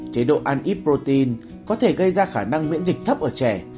chế độ ăn ít protein có thể gây ra khả năng miễn dịch thấp ở trẻ